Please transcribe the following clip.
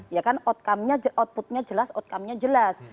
ya kan outcome nya outputnya jelas outcome nya jelas